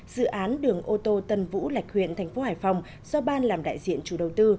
dự án đường ô tô tân vũ lạch huyện thành phố hải phòng do ban làm đại diện chủ đầu tư